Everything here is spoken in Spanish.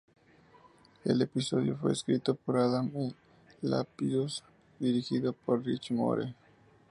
El episodio fue escrito por Adam I. Lapidus y dirigido por Rich Moore.